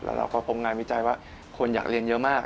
แล้วเราก็คงงานวิจัยว่าคนอยากเรียนเยอะมาก